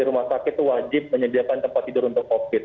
rumah sakit itu wajib menyediakan tempat tidur untuk covid